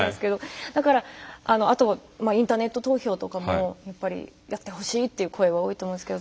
だからあとインターネット投票とかもやっぱりやってほしいという声は多いと思いますけど。